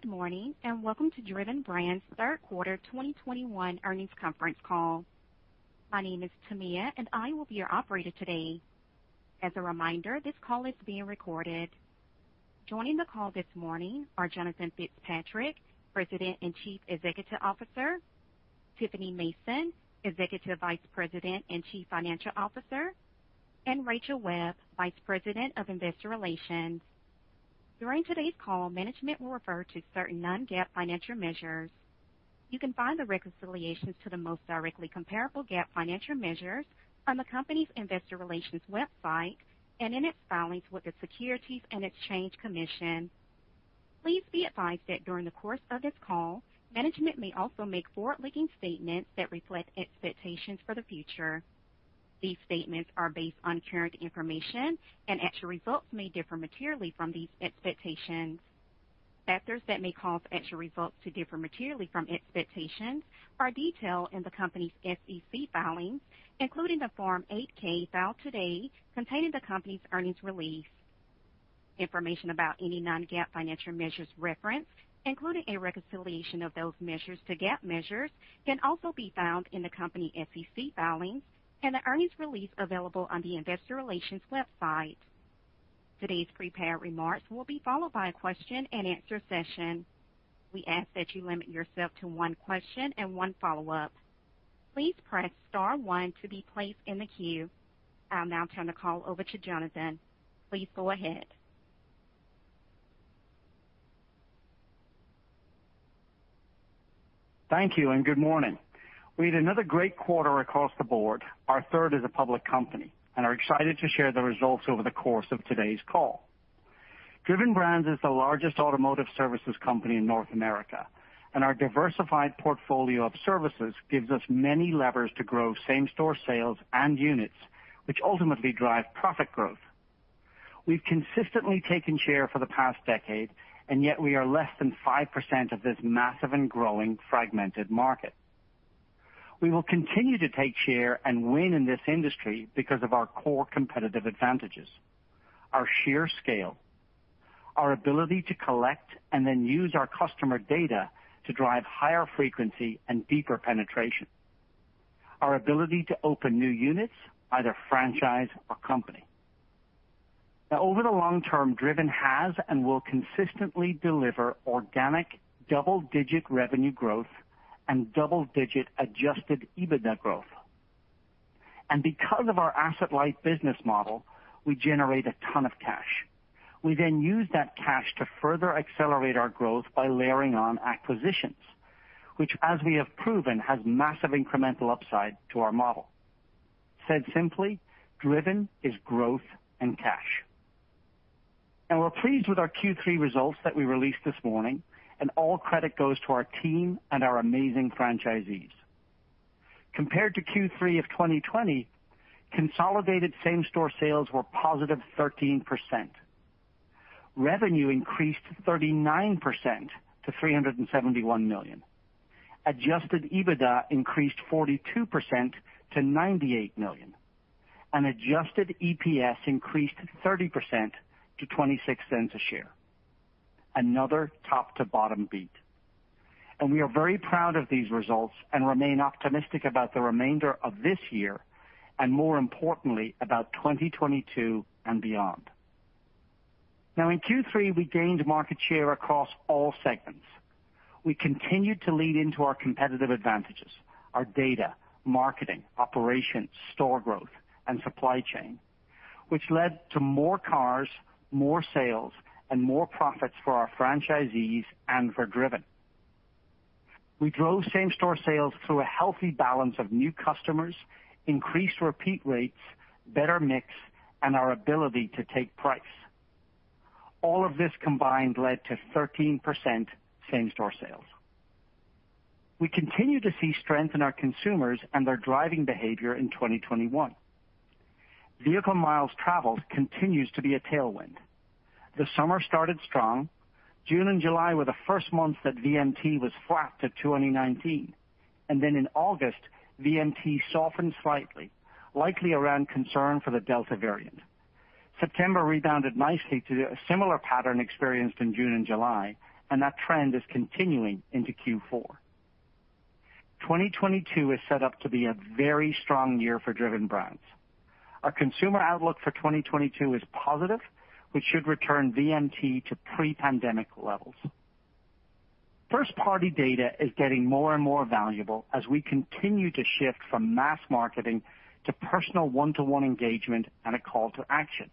Good morning, and welcome to Driven Brands third quarter 2021 earnings conference call. My name is Tamia, and I will be your operator today. As a reminder, this call is being recorded. Joining the call this morning are Jonathan Fitzpatrick, President and Chief Executive Officer, Tiffany Mason, Executive Vice President and Chief Financial Officer, and Rachel Webb, Vice President of Investor Relations. During today's call, management will refer to certain non-GAAP financial measures. You can find the reconciliations to the most directly comparable GAAP financial measures on the company's investor relations website and in its filings with the Securities and Exchange Commission. Please be advised that during the course of this call, management may also make forward-looking statements that reflect expectations for the future. These statements are based on current information, and actual results may differ materially from these expectations. Factors that may cause actual results to differ materially from expectations are detailed in the company's SEC filings, including the Form 8-K filed today containing the company's earnings release. Information about any non-GAAP financial measures referenced, including a reconciliation of those measures to GAAP measures, can also be found in the company's SEC filings and the earnings release available on the investor relations website. Today's prepared remarks will be followed by a Q&A session. We ask that you limit yourself to one question and one follow-up. Please press star one to be placed in the queue. I'll now turn the call over to Jonathan. Please go ahead. Thank you and good morning. We had another great quarter across the board, our third as a public company, and are excited to share the results over the course of today's call. Driven Brands is the largest automotive services company in North America, and our diversified portfolio of services gives us many levers to grow same-store sales and units, which ultimately drive profit growth. We've consistently taken share for the past decade, and yet we are less than 5% of this massive and growing fragmented market. We will continue to take share and win in this industry because of our core competitive advantages, our sheer scale, our ability to collect and then use our customer data to drive higher frequency and deeper penetration, our ability to open new units, either franchise or company. Now, over the long term, Driven has and will consistently deliver organic double-digit revenue growth and double-digit adjusted EBITDA growth. Because of our asset-light business model, we generate a ton of cash. We then use that cash to further accelerate our growth by layering on acquisitions, which as we have proven, has massive incremental upside to our model. Said simply, Driven is growth and cash. We're pleased with our Q3 results that we released this morning, and all credit goes to our team and our amazing franchisees. Compared to Q3 of 2020, consolidated same-store sales were positive 13%. Revenue increased 39% to $371 million. Adjusted EBITDA increased 42% to $98 million. Adjusted EPS increased 30% to $0.26 a share. Another top-to-bottom beat. We are very proud of these results and remain optimistic about the remainder of this year and more importantly, about 2022 and beyond. Now, in Q3, we gained market share across all segments. We continued to lean into our competitive advantages, our data, marketing, operations, store growth, and supply chain, which led to more cars, more sales, and more profits for our franchisees and for Driven. We drove same-store sales through a healthy balance of new customers, increased repeat rates, better mix, and our ability to take price. All of this combined led to 13% same-store sales. We continue to see strength in our consumers and their driving behavior in 2021. Vehicle miles traveled continues to be a tailwind. The summer started strong. June and July were the first months that VMT was flat to 2019. In August, VMT softened slightly, likely around concern for the Delta variant. September rebounded nicely to a similar pattern experienced in June and July, and that trend is continuing into Q4. 2022 is set up to be a very strong year for Driven Brands. Our consumer outlook for 2022 is positive, which should return VMT to pre-pandemic levels. First-party data is getting more and more valuable as we continue to shift from mass marketing to personal one-to-one engagement and a call to action.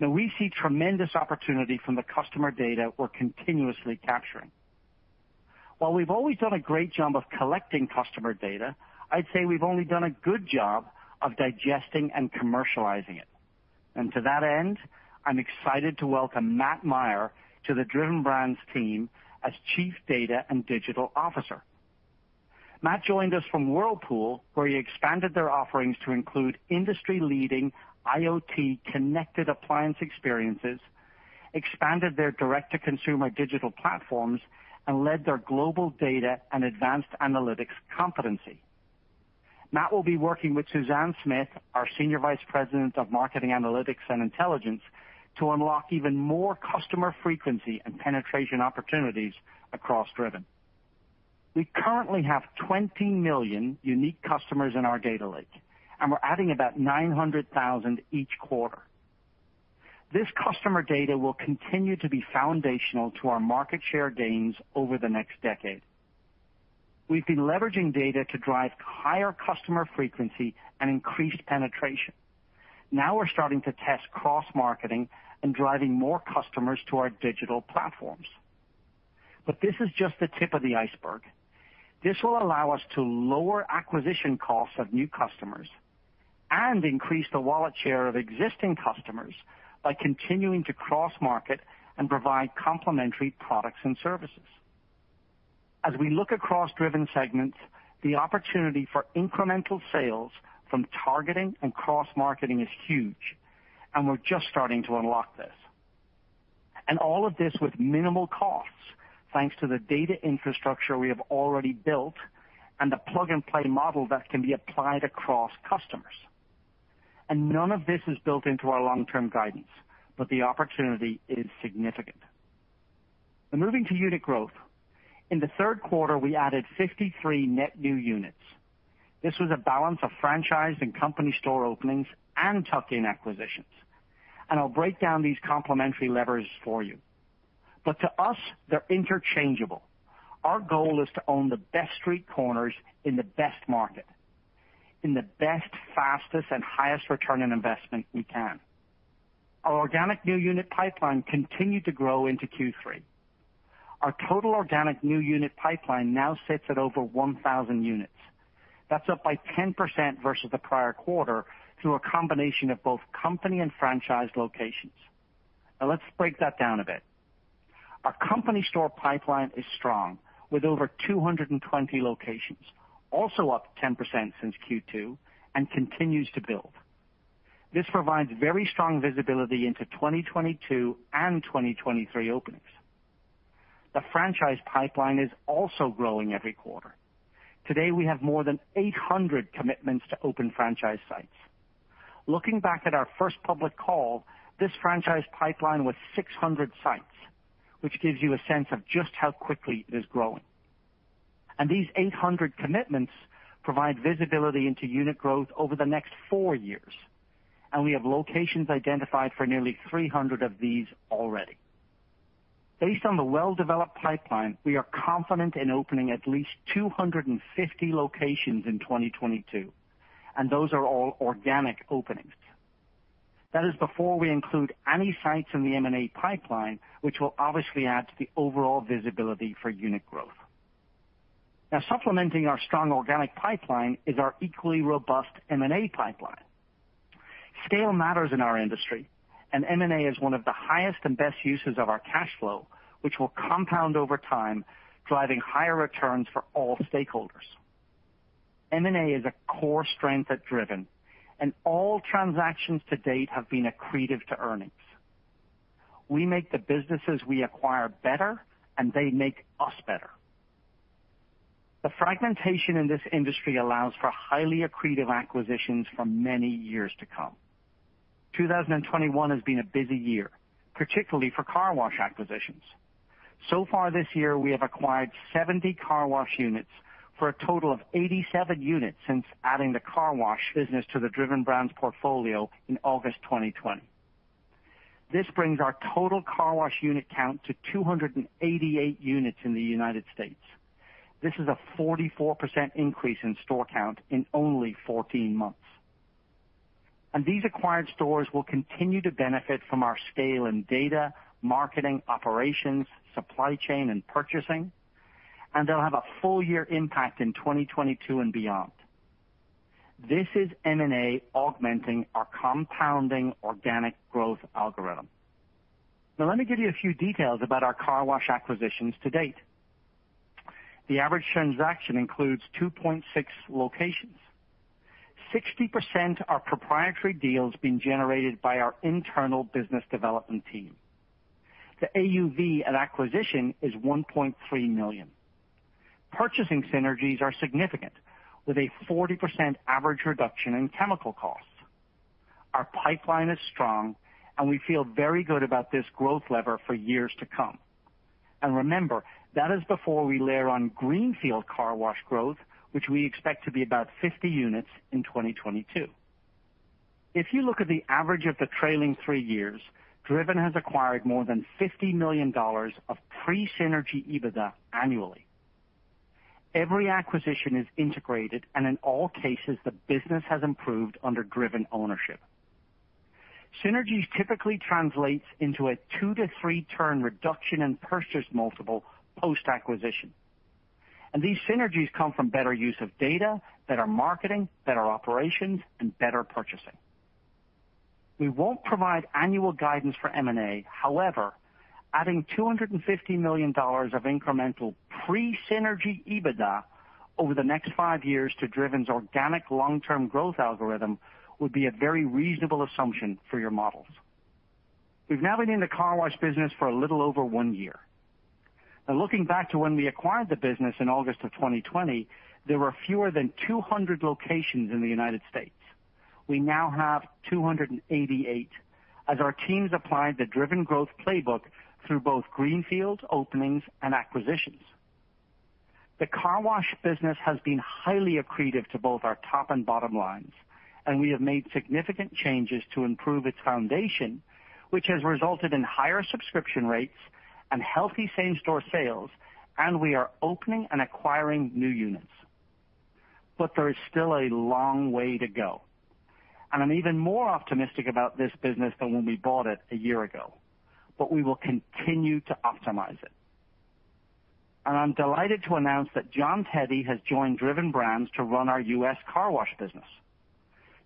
Now, we see tremendous opportunity from the customer data we're continuously capturing. While we've always done a great job of collecting customer data, I'd say we've only done a good job of digesting and commercializing it. To that end, I'm excited to welcome Matt Meyer to the Driven Brands team as Chief Data and Digital Officer. Matt joined us from Whirlpool, where he expanded their offerings to include industry-leading IoT connected appliance experiences, expanded their direct-to-consumer digital platforms, and led their global data and advanced analytics competency. Matt will be working with Suzanne Smith, our Senior Vice President of Marketing Analytics and Intelligence, to unlock even more customer frequency and penetration opportunities across Driven. We currently have 20 million unique customers in our data lake, and we're adding about 900,000 each quarter. This customer data will continue to be foundational to our market share gains over the next decade. We've been leveraging data to drive higher customer frequency and increased penetration. Now we're starting to test cross-marketing and driving more customers to our digital platforms. This is just the tip of the iceberg. This will allow us to lower acquisition costs of new customers and increase the wallet share of existing customers by continuing to cross-market and provide complementary products and services. As we look across Driven segments, the opportunity for incremental sales from targeting and cross-marketing is huge, and we're just starting to unlock this. All of this with minimal costs thanks to the data infrastructure we have already built and the plug-and-play model that can be applied across customers. None of this is built into our long-term guidance, but the opportunity is significant. Now moving to unit growth. In the third quarter, we added 53 net new units. This was a balance of franchise and company store openings and tuck-in acquisitions. I'll break down these complementary levers for you. To us, they're interchangeable. Our goal is to own the best street corners in the best market, in the best, fastest, and highest return on investment we can. Our organic new unit pipeline continued to grow into Q3. Our total organic new unit pipeline now sits at over 1,000 units. That's up by 10% versus the prior quarter through a combination of both company and franchise locations. Now let's break that down a bit. Our company store pipeline is strong with over 220 locations, also up 10% since Q2, and continues to build. This provides very strong visibility into 2022 and 2023 openings. The franchise pipeline is also growing every quarter. Today, we have more than 800 commitments to open franchise sites. Looking back at our first public call, this franchise pipeline was 600 sites, which gives you a sense of just how quickly it is growing. These 800 commitments provide visibility into unit growth over the next four years, and we have locations identified for nearly 300 of these already. Based on the well-developed pipeline, we are confident in opening at least 250 locations in 2022, and those are all organic openings. That is before we include any sites in the M&A pipeline, which will obviously add to the overall visibility for unit growth. Now, supplementing our strong organic pipeline is our equally robust M&A pipeline. Scale matters in our industry, and M&A is one of the highest and best uses of our cash flow, which will compound over time, driving higher returns for all stakeholders. M&A is a core strength at Driven, and all transactions to date have been accretive to earnings. We make the businesses we acquire better, and they make us better. The fragmentation in this industry allows for highly accretive acquisitions for many years to come. 2021 has been a busy year, particularly for car wash acquisitions. So far this year, we have acquired 70 car wash units for a total of 87 units since adding the car wash business to the Driven Brands portfolio in August 2020. This brings our total car wash unit count to 288 units in the United States. This is a 44% increase in store count in only 14 months. These acquired stores will continue to benefit from our scale in data, marketing, operations, supply chain, and purchasing, and they'll have a full year impact in 2022 and beyond. This is M&A augmenting our compounding organic growth algorithm. Now let me give you a few details about our car wash acquisitions to date. The average transaction includes 2.6 locations. 60% are proprietary deals being generated by our internal business development team. The AUV at acquisition is $1.3 million. Purchasing synergies are significant, with a 40% average reduction in chemical costs. Our pipeline is strong, and we feel very good about this growth lever for years to come. Remember, that is before we layer on greenfield car wash growth, which we expect to be about 50 units in 2022. If you look at the average of the trailing three years, Driven has acquired more than $50 million of pre-synergy EBITDA annually. Every acquisition is integrated, and in all cases, the business has improved under Driven ownership. Synergies typically translates into a 2-3 turn reduction in purchase multiple post-acquisition. These synergies come from better use of data, better marketing, better operations, and better purchasing. We won't provide annual guidance for M&A. However, adding $250 million of incremental pre-synergy EBITDA over the next five years to Driven's organic long-term growth algorithm would be a very reasonable assumption for your models. We've now been in the car wash business for a little over one year. Looking back to when we acquired the business in August 2020, there were fewer than 200 locations in the United States. We now have 288 as our teams applied the Driven growth playbook through both greenfield openings and acquisitions. The car wash business has been highly accretive to both our top and bottom lines, and we have made significant changes to improve its foundation, which has resulted in higher subscription rates and healthy same-store sales, and we are opening and acquiring new units. There is still a long way to go. I'm even more optimistic about this business than when we bought it a year ago. We will continue to optimize it. I'm delighted to announce that John Teti has joined Driven Brands to run our U.S. car wash business.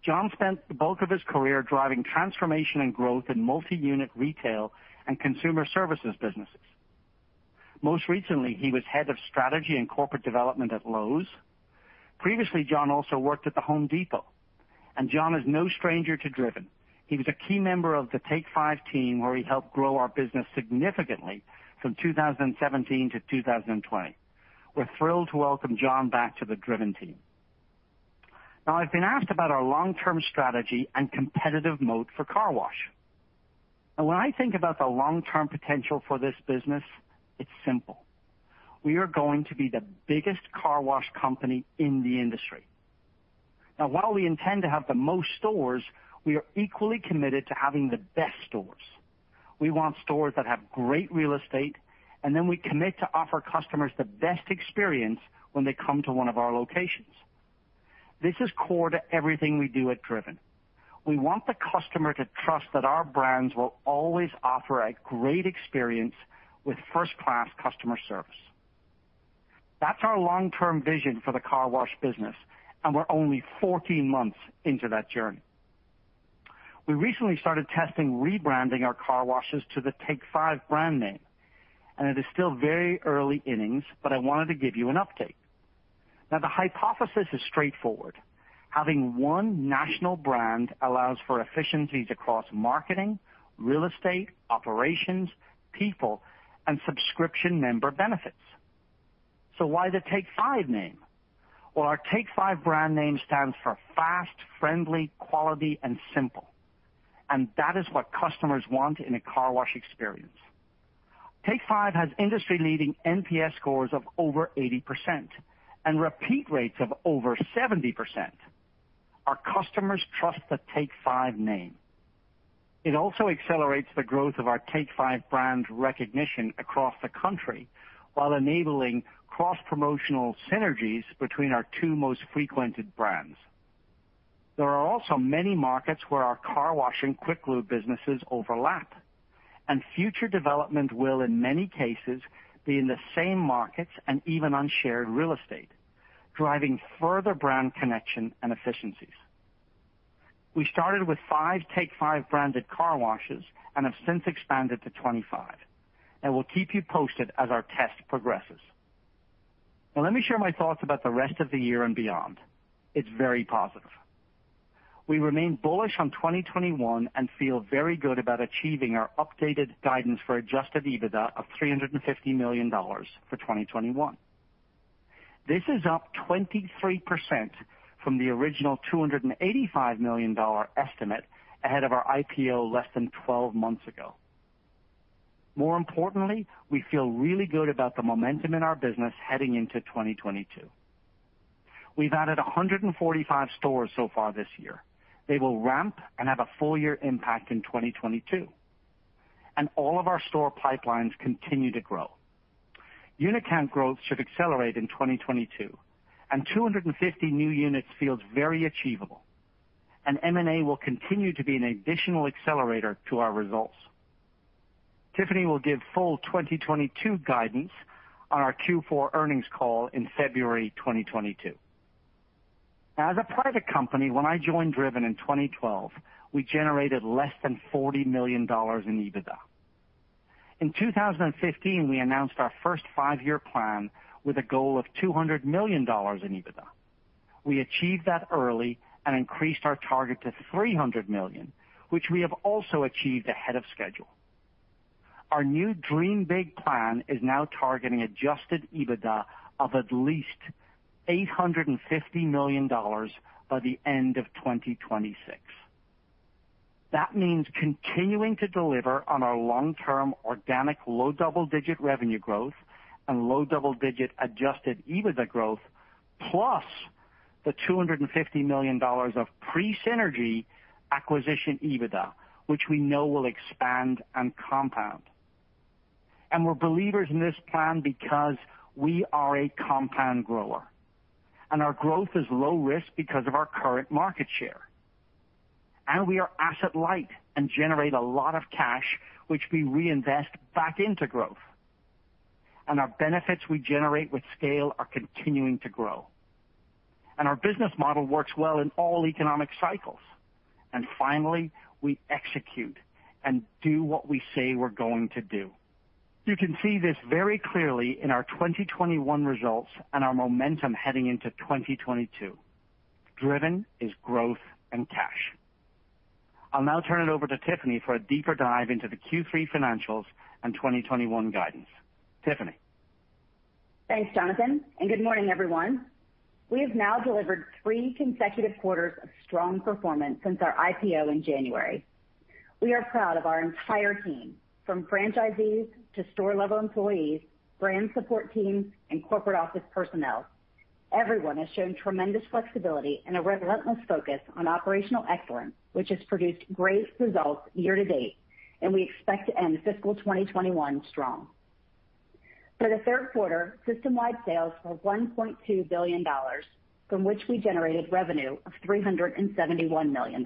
John spent the bulk of his career driving transformation and growth in multi-unit retail and consumer services businesses. Most recently, he was head of strategy and corporate development at Lowe's. Previously, John also worked at The Home Depot, and John is no stranger to Driven. He was a key member of the Take 5 team, where he helped grow our business significantly from 2017-2020. We're thrilled to welcome John back to the Driven team. Now, I've been asked about our long-term strategy and competitive moat for car wash. When I think about the long-term potential for this business, it's simple. We are going to be the biggest car wash company in the industry. Now, while we intend to have the most stores, we are equally committed to having the best stores. We want stores that have great real estate, and then we commit to offer customers the best experience when they come to one of our locations. This is core to everything we do at Driven. We want the customer to trust that our brands will always offer a great experience with first-class customer service. That's our long-term vision for the car wash business, and we're only 14 months into that journey. We recently started testing rebranding our car washes to the Take 5 brand name, and it is still very early innings, but I wanted to give you an update. Now, the hypothesis is straightforward. Having one national brand allows for efficiencies across marketing, real estate, operations, people, and subscription member benefits. Why the Take 5 name? Well, our Take 5 brand name stands for fast, friendly, quality, and simple, and that is what customers want in a car wash experience. Take 5 has industry-leading NPS scores of over 80% and repeat rates of over 70%. Our customers trust the Take 5 name. It also accelerates the growth of our Take 5 brand recognition across the country while enabling cross-promotional synergies between our two most frequented brands. There are also many markets where our car wash and QuickLube businesses overlap, and future development will, in many cases, be in the same markets and even on shared real estate, driving further brand connection and efficiencies. We started with five Take 5 branded car washes and have since expanded to 25, and we'll keep you posted as our test progresses. Now, let me share my thoughts about the rest of the year and beyond. It's very positive. We remain bullish on 2021 and feel very good about achieving our updated guidance for adjusted EBITDA of $350 million for 2021. This is up 23% from the original $285 million estimate ahead of our IPO less than 12 months ago. More importantly, we feel really good about the momentum in our business heading into 2022. We've added 145 stores so far this year. They will ramp and have a full year impact in 2022, and all of our store pipelines continue to grow. Unit count growth should accelerate in 2022, and 250 new units feels very achievable, and M&A will continue to be an additional accelerator to our results. Tiffany will give full 2022 guidance on our Q4 earnings call in February 2022. Now, as a private company, when I joined Driven in 2012, we generated less than $40 million in EBITDA. In 2015, we announced our first five-year plan with a goal of $200 million in EBITDA. We achieved that early and increased our target to $300 million, which we have also achieved ahead of schedule. Our new Dream Big plan is now targeting adjusted EBITDA of at least $850 million by the end of 2026. That means continuing to deliver on our long-term organic low double-digit revenue growth and low double-digit adjusted EBITDA growth, plus the $250 million of pre-synergy acquisition EBITDA, which we know will expand and compound. We're believers in this plan because we are a compound grower, and our growth is low risk because of our current market share. We are asset light and generate a lot of cash, which we reinvest back into growth. Our benefits we generate with scale are continuing to grow. Our business model works well in all economic cycles. Finally, we execute and do what we say we're going to do. You can see this very clearly in our 2021 results and our momentum heading into 2022. Driven is growth and cash. I'll now turn it over to Tiffany for a deeper dive into the Q3 financials and 2021 guidance. Tiffany. Thanks, Jonathan, and good morning, everyone. We have now delivered three consecutive quarters of strong performance since our IPO in January. We are proud of our entire team, from franchisees to store-level employees, brand support teams, and corporate office personnel. Everyone has shown tremendous flexibility and a relentless focus on operational excellence, which has produced great results year to date, and we expect to end fiscal 2021 strong. For the third quarter, system-wide sales were $1.2 billion, from which we generated revenue of $371 million.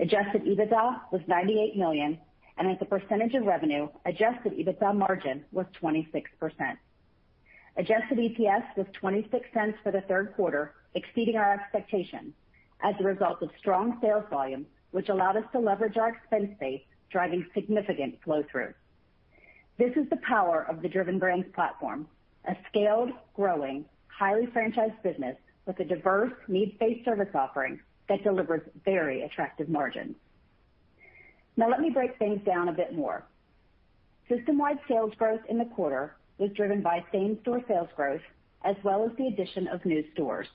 Adjusted EBITDA was $98 million, and as a percentage of revenue, adjusted EBITDA margin was 26%. Adjusted EPS was $0.26 for the third quarter, exceeding our expectations as a result of strong sales volume, which allowed us to leverage our expense base, driving significant flow-through. This is the power of the Driven Brands platform, a scaled, growing, highly franchised business with a diverse needs-based service offering that delivers very attractive margins. Now, let me break things down a bit more. System-wide sales growth in the quarter was driven by same-store sales growth as well as the addition of new stores.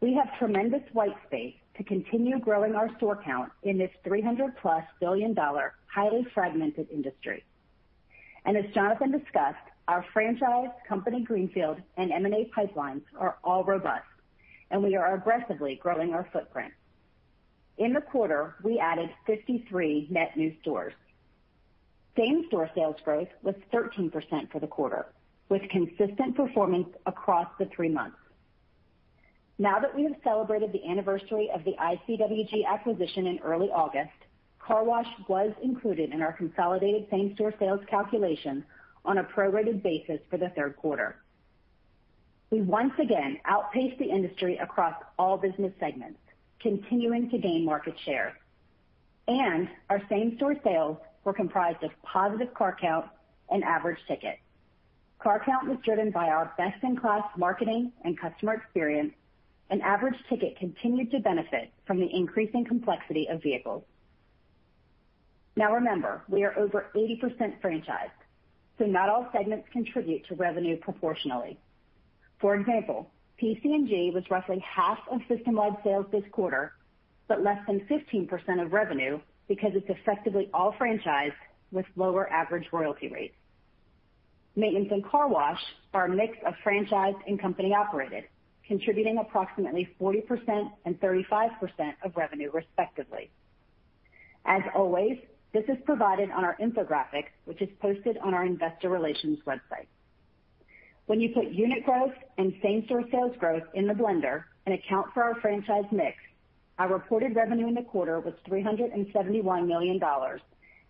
We have tremendous white space to continue growing our store count in this $300+ billion highly fragmented industry. As Jonathan discussed, our franchise, company greenfield, and M&A pipelines are all robust, and we are aggressively growing our footprint. In the quarter, we added 53 net new stores. Same-store sales growth was 13% for the quarter, with consistent performance across the three months. Now that we have celebrated the anniversary of the ICWG acquisition in early August, car wash was included in our consolidated same-store sales calculation on a prorated basis for the third quarter. We once again outpaced the industry across all business segments, continuing to gain market share, and our same-store sales were comprised of positive car count and average ticket. Car count was driven by our best-in-class marketing and customer experience, and average ticket continued to benefit from the increasing complexity of vehicles. Now, remember, we are over 80% franchised, so not all segments contribute to revenue proportionally. For example, PC&G was roughly half of system-wide sales this quarter, but less than 15% of revenue because it's effectively all franchised with lower average royalty rates. Maintenance and car wash are a mix of franchise and company operated, contributing approximately 40% and 35% of revenue, respectively. As always, this is provided on our infographic, which is posted on our investor relations website. When you put unit growth and same-store sales growth in the blender and account for our franchise mix, our reported revenue in the quarter was $371 million,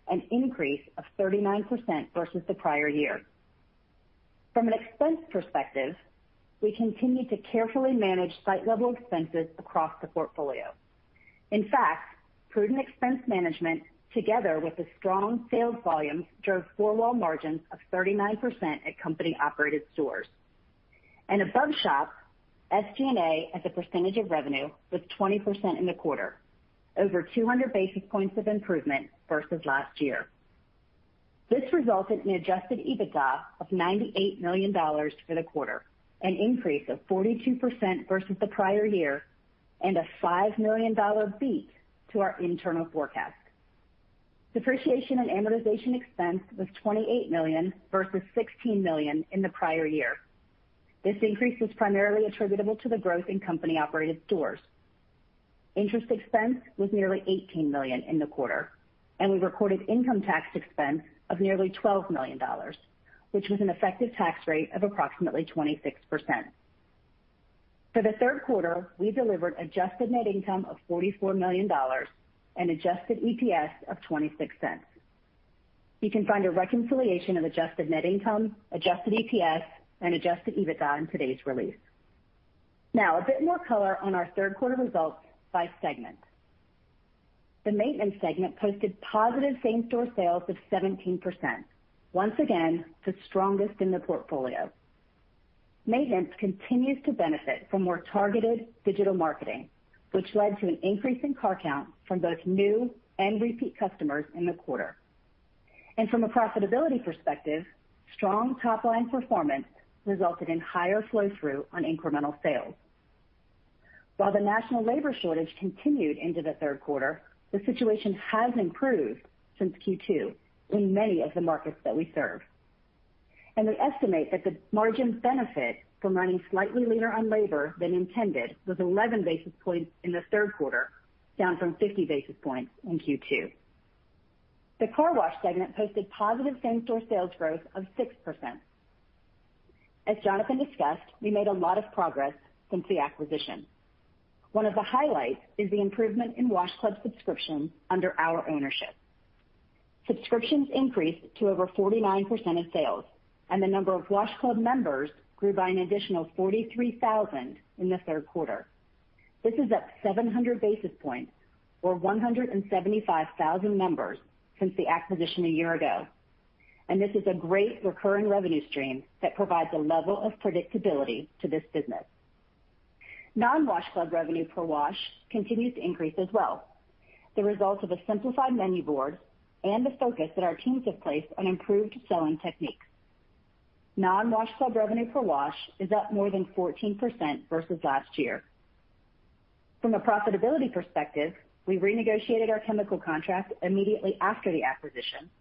an increase of 39% versus the prior year. From an expense perspective, we continued to carefully manage site level expenses across the portfolio. In fact, prudent expense management, together with the strong sales volumes, drove four wall margins of 39% at company-operated stores. Above shop, SG&A, as a percentage of revenue, was 20% in the quarter, over 200 basis points of improvement versus last year. This resulted in adjusted EBITDA of $98 million for the quarter, an increase of 42% versus the prior year, and a $5 million beat to our internal forecast. Depreciation and amortization expense was $28 million versus $16 million in the prior year. This increase was primarily attributable to the growth in company-operated stores. Interest expense was nearly $18 million in the quarter, and we recorded income tax expense of nearly $12 million, which was an effective tax rate of approximately 26%. For the third quarter, we delivered adjusted net income of $44 million and adjusted EPS of $0.26. You can find a reconciliation of adjusted net income, adjusted EPS, and adjusted EBITDA in today's release. Now, a bit more color on our third quarter results by segment. The maintenance segment posted positive same-store sales of 17%. Once again, the strongest in the portfolio. Maintenance continues to benefit from more targeted digital marketing, which led to an increase in car count from both new and repeat customers in the quarter. From a profitability perspective, strong top-line performance resulted in higher flow-through on incremental sales. While the national labor shortage continued into the third quarter, the situation has improved since Q2 in many of the markets that we serve. We estimate that the margin benefit from running slightly leaner on labor than intended was 11 basis points in the third quarter, down from 50 basis points in Q2. The car wash segment posted positive same-store sales growth of 6%. As Jonathan discussed, we made a lot of progress since the acquisition. One of the highlights is the improvement in wash club subscriptions under our ownership. Subscriptions increased to over 49% of sales, and the number of wash club members grew by an additional 43,000 in the third quarter. This is up 700 basis points or 175,000 members since the acquisition a year ago. This is a great recurring revenue stream that provides a level of predictability to this business. Non-wash club revenue per wash continues to increase as well, the result of a simplified menu board and the focus that our teams have placed on improved selling techniques. Non-wash club revenue per wash is up more than 14% versus last year. From a profitability perspective, we renegotiated our chemical contract immediately after the acquisition,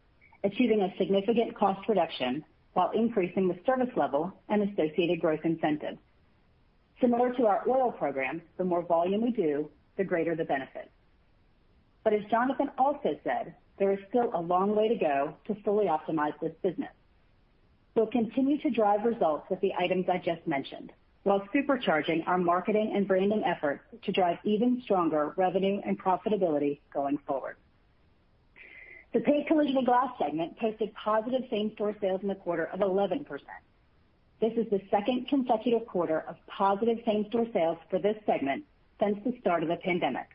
achieving a significant cost reduction while increasing the service level and associated growth incentives. Similar to our oil program, the more volume we do, the greater the benefit. As Jonathan also said, there is still a long way to go to fully optimize this business. We'll continue to drive results with the items I just mentioned while supercharging our marketing and branding efforts to drive even stronger revenue and profitability going forward. The Paint, Collision, and Glass segment posted positive same-store sales in the quarter of 11%. This is the second consecutive quarter of positive same-store sales for this segment since the start of the pandemic.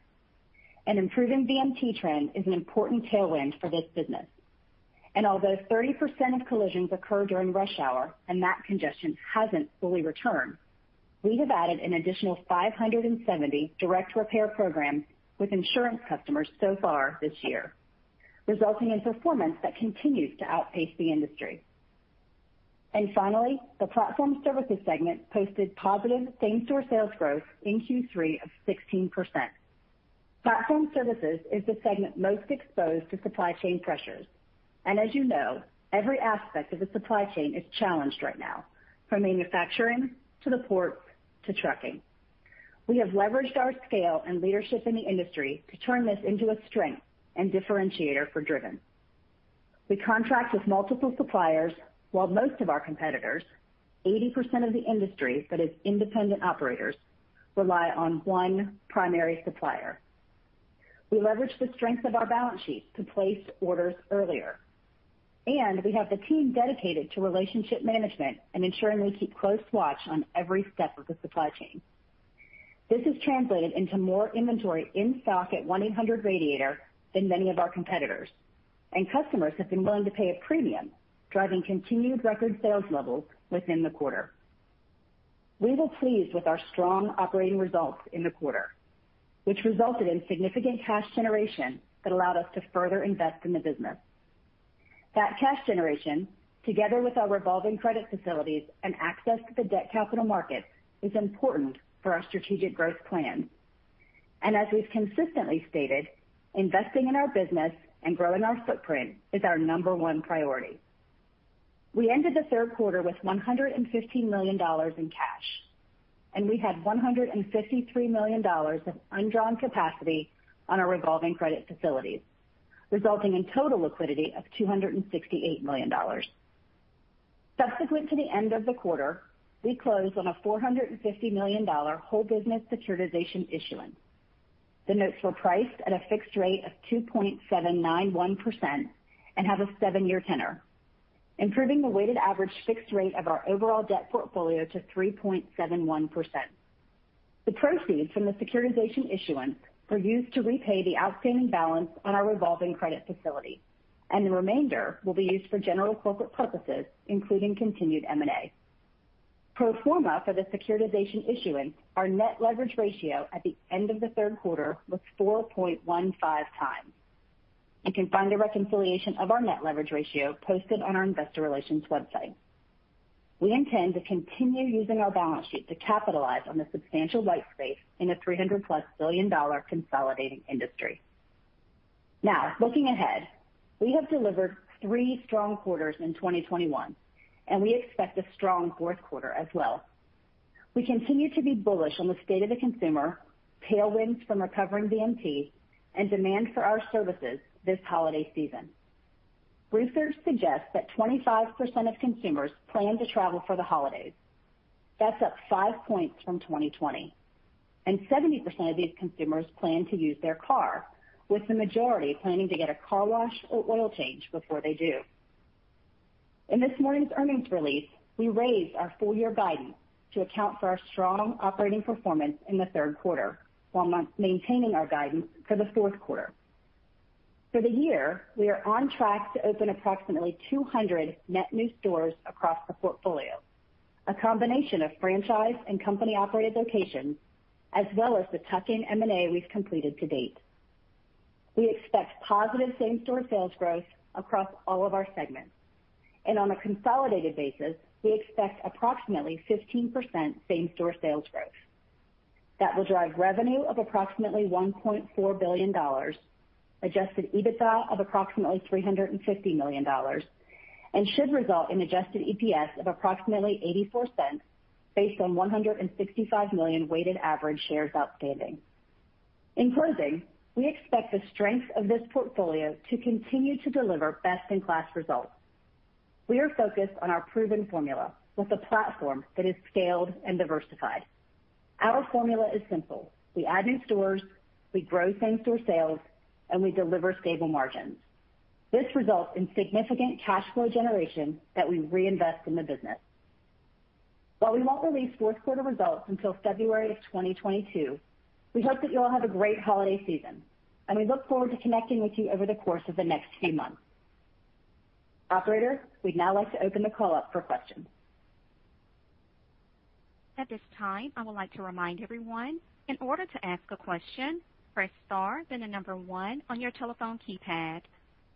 An improving DRP trend is an important tailwind for this business. Although 30% of collisions occur during rush hour and that congestion hasn't fully returned, we have added an additional 570 direct repair programs with insurance customers so far this year, resulting in performance that continues to outpace the industry. Finally, the platform services segment posted positive same-store sales growth in Q3 of 16%. Platform services is the segment most exposed to supply chain pressures. As you know, every aspect of the supply chain is challenged right now, from manufacturing to the ports to trucking. We have leveraged our scale and leadership in the industry to turn this into a strength and differentiator for Driven. We contract with multiple suppliers while most of our competitors, 80% of the industry that is independent operators, rely on one primary supplier. We leverage the strength of our balance sheets to place orders earlier, and we have the team dedicated to relationship management and ensuring we keep close watch on every step of the supply chain. This has translated into more inventory in stock at 1-800-Radiator & A/C than many of our competitors, and customers have been willing to pay a premium, driving continued record sales levels within the quarter. We were pleased with our strong operating results in the quarter, which resulted in significant cash generation that allowed us to further invest in the business. That cash generation, together with our revolving credit facilities and access to the debt capital market, is important for our strategic growth plans. As we've consistently stated, investing in our business and growing our footprint is our number one priority. We ended the third quarter with $150 million in cash, and we had $153 million of undrawn capacity on our revolving credit facilities, resulting in total liquidity of $268 million. Subsequent to the end of the quarter, we closed on a $450 million whole business securitization issuance. The notes were priced at a fixed rate of 2.791% and have a seven-year tenor, improving the weighted average fixed rate of our overall debt portfolio to 3.71%. The proceeds from the securitization issuance were used to repay the outstanding balance on our revolving credit facility, and the remainder will be used for general corporate purposes, including continued M&A. Pro forma for the securitization issuance, our net leverage ratio at the end of the third quarter was 4.15x. You can find a reconciliation of our net leverage ratio posted on our investor relations website. We intend to continue using our balance sheet to capitalize on the substantial white space in a $300+ billion consolidating industry. Now, looking ahead, we have delivered three strong quarters in 2021, and we expect a strong fourth quarter as well. We continue to be bullish on the state of the consumer, tailwinds from recovering DRP and demand for our services this holiday season. Research suggests that 25% of consumers plan to travel for the holidays. That's up 5 points from 2020, and 70% of these consumers plan to use their car, with the majority planning to get a car wash or oil change before they do. In this morning's earnings release, we raised our full year guidance to account for our strong operating performance in the third quarter while maintaining our guidance for the fourth quarter. For the year, we are on track to open approximately 200 net new stores across the portfolio, a combination of franchise and company-operated locations, as well as the tuck-in M&A we've completed to date. We expect positive same-store sales growth across all of our segments, and on a consolidated basis, we expect approximately 15% same-store sales growth. That will drive revenue of approximately $1.4 billion, adjusted EBITDA of approximately $350 million, and should result in adjusted EPS of approximately $0.84 based on 165 million weighted average shares outstanding. In closing, we expect the strength of this portfolio to continue to deliver best-in-class results. We are focused on our proven formula with a platform that is scaled and diversified. Our formula is simple. We add new stores, we grow same-store sales, and we deliver stable margins. This results in significant cash flow generation that we reinvest in the business. While we won't release fourth quarter results until February 2022, we hope that you all have a great holiday season, and we look forward to connecting with you over the course of the next few months. Operator, we'd now like to open the call up for questions. At this time, I would like to remind everyone, in order to ask a question, press Star, then one on your telephone keypad.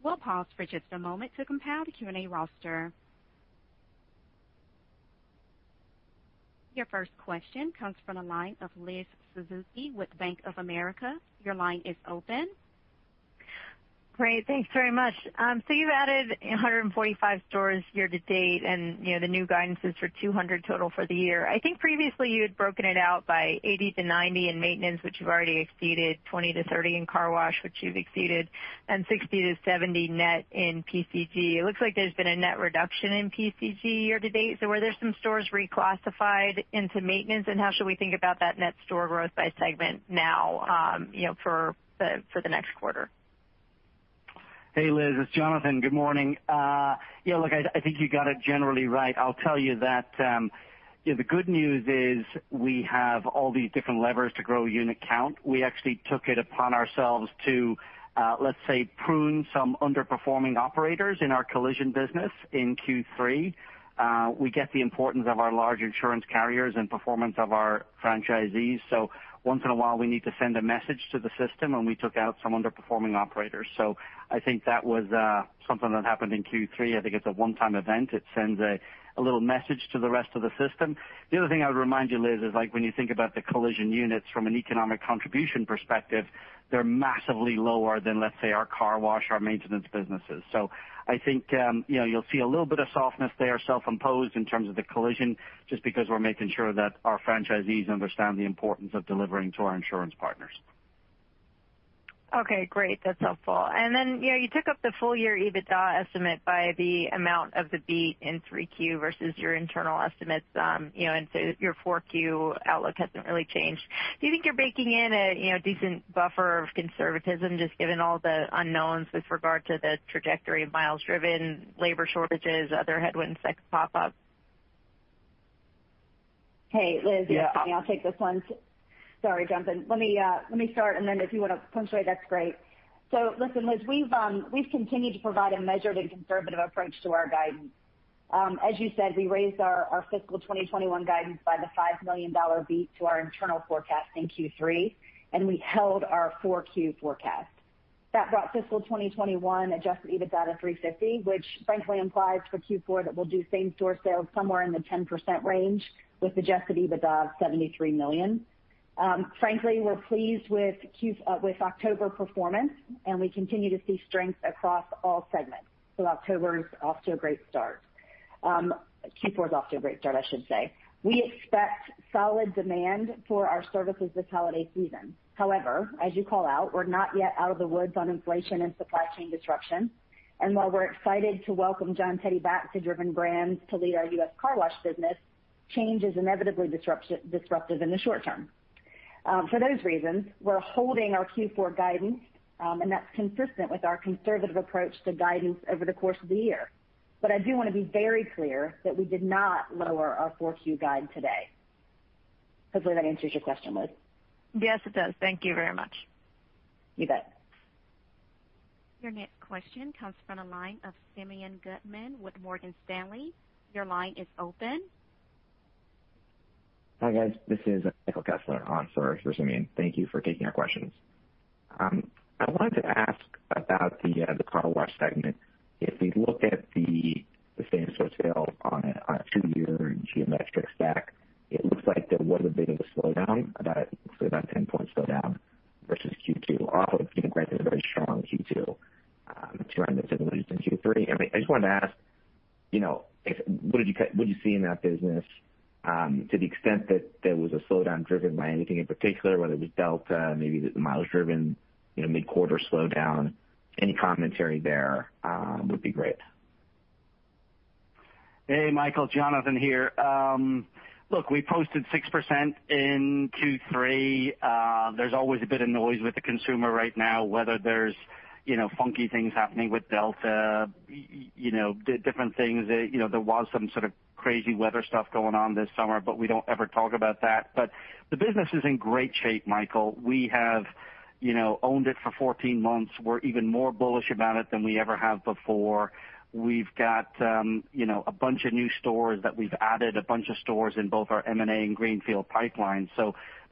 We'll pause for just a moment to compile the Q&A roster. Your first question comes from the line of Liz Suzuki with Bank of America. Your line is open. Great. Thanks very much. You added 145 stores year to date, and, you know, the new guidance is for 200 total for the year. I think previously you had broken it out by 80-90 in maintenance, which you've already exceeded, 20-30 in car wash, which you've exceeded, and 60-70 net in PC&G. It looks like there's been a net reduction in PC&G year to date. Were there some stores reclassified into maintenance, and how should we think about that net store growth by segment now, you know, for the next quarter? Hey, Liz, it's Jonathan. Good morning. Yeah, look, I think you got it generally right. I'll tell you that, you know, the good news is we have all these different levers to grow unit count. We actually took it upon ourselves to, let's say, prune some underperforming operators in our collision business in Q3. We get the importance of our large insurance carriers and performance of our franchisees, so once in a while we need to send a message to the system, and we took out some underperforming operators. I think that was something that happened in Q3. I think it's a one-time event. It sends a little message to the rest of the system. The other thing I would remind you, Liz, is like when you think about the collision units from an economic contribution perspective, they're massively lower than, let's say, our car wash, our maintenance businesses. So I think, you know, you'll see a little bit of softness there, self-imposed in terms of the collision, just because we're making sure that our franchisees understand the importance of delivering to our insurance partners. Okay, great. That's helpful. You know, you took up the full year EBITDA estimate by the amount of the beat in 3Q versus your internal estimates. You know, your 4Q outlook hasn't really changed. Do you think you're baking in a decent buffer of conservatism just given all the unknowns with regard to the trajectory of miles driven, labor shortages, other headwinds that could pop up? Hey, Liz. Yeah. It's Tiffany. I'll take this one. Sorry, Jonathan. Let me start, and then if you wanna punctuate, that's great. Listen, Liz, we've continued to provide a measured and conservative approach to our guidance. As you said, we raised our fiscal 2021 guidance by the $5 million beat to our internal forecast in Q3, and we held our Q4 forecast. That brought fiscal 2021 adjusted EBITDA to $350 million, which frankly implies for Q4 that we'll do same-store sales somewhere in the 10% range with adjusted EBITDA of $73 million. Frankly, we're pleased with October performance, and we continue to see strength across all segments. October is off to a great start. Q4 is off to a great start, I should say. We expect solid demand for our services this holiday season. However, as you call out, we're not yet out of the woods on inflation and supply chain disruption. While we're excited to welcome John Teti back to Driven Brands to lead our U.S. car wash business, change is inevitably disruptive in the short term. For those reasons, we're holding our Q4 guidance, and that's consistent with our conservative approach to guidance over the course of the year. I do wanna be very clear that we did not lower our Q4 guide today. Hopefully that answers your question, Liz. Yes, it does. Thank you very much. You bet. Your next question comes from the line of Simeon Gutman with Morgan Stanley. Your line is open. Hi, guys. This is Michael Kessler on for Simeon Gutman. Thank you for taking our questions. I wanted to ask about the car wash segment. If we look at the same-store sales on a two-year geometric stack, it looks like there was a bit of a slowdown, about, say, 10 points slowdown versus Q2, off of, you know, granted, a very strong Q2, 270 in Q3. I just wanted to ask, you know, what did you see in that business, to the extent that there was a slowdown driven by anything in particular, whether it was Delta, maybe the miles driven, you know, mid-quarter slowdown. Any commentary there would be great. Hey, Michael. Jonathan here. Look, we posted 6% in Q3. There's always a bit of noise with the consumer right now, whether there's, you know, funky things happening with Delta, different things. You know, there was some sort of crazy weather stuff going on this summer, but we don't ever talk about that. The business is in great shape, Michael. We have, you know, owned it for 14 months. We're even more bullish about it than we ever have before. We've got, you know, a bunch of new stores that we've added, a bunch of stores in both our M&A and greenfield pipeline.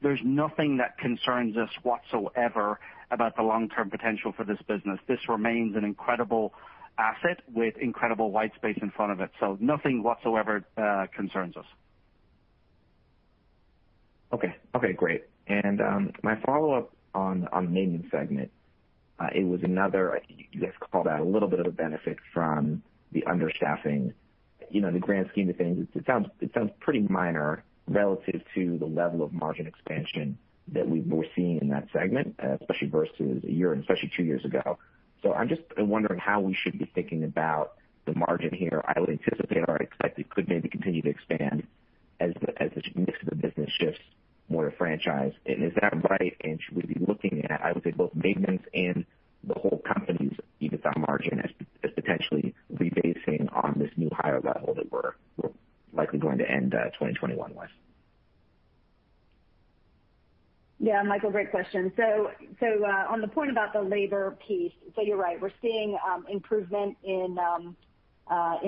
There's nothing that concerns us whatsoever about the long-term potential for this business. This remains an incredible asset with incredible white space in front of it. Nothing whatsoever concerns us. Okay, great. My follow-up on the maintenance segment. It was another. You guys called out a little bit of a benefit from the understaffing. You know, in the grand scheme of things, it sounds pretty minor relative to the level of margin expansion that we're seeing in that segment, especially versus a year, and especially two years ago. I'm just wondering how we should be thinking about the margin here. I would anticipate or expect it could maybe continue to expand as the mix of the business shifts. More franchise. Is that right? Should we be looking at, I would say, both maintenance and the whole company's EBITDA margin as potentially rebasing on this new higher level that we're likely going to end 2021 with? Yeah, Michael, great question. On the point about the labor piece, you're right. We're seeing improvement in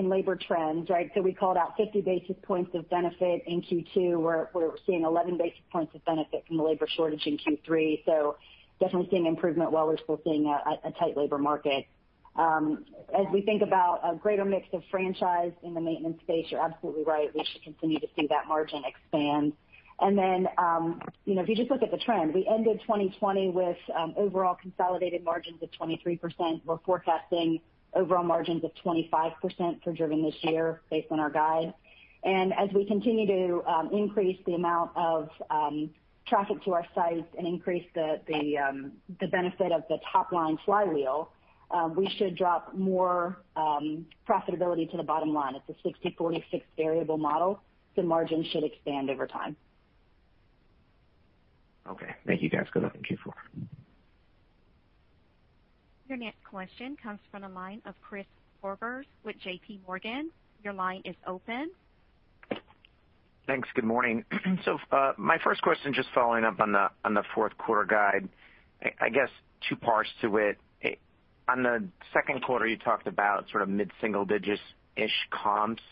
labor trends, right? We called out 50 basis points of benefit in Q2. We're seeing 11 basis points of benefit from the labor shortage in Q3. Definitely seeing improvement while we're still seeing a tight labor market. As we think about a greater mix of franchise in the maintenance space, you're absolutely right. We should continue to see that margin expand. You know, if you just look at the trend, we ended 2020 with overall consolidated margins of 23%. We're forecasting overall margins of 25% for Driven this year based on our guide. As we continue to increase the amount of traffic to our sites and increase the benefit of the top line flywheel, we should drop more profitability to the bottom line. It's a 60/46 variable model. The margin should expand over time. Okay. Thank you, guys. Good luck in Q4. Your next question comes from the line of Chris Horvers with JPMorgan. Your line is open. Thanks. Good morning. My first question, just following up on the fourth quarter guide, I guess two parts to it. On the second quarter, you talked about sort of mid-single digits-ish comps